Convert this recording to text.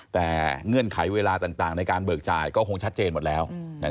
แต่เงื่อนไขเวลาต่างในการเบิกจ่ายก็คงชัดเจนหมดแล้ว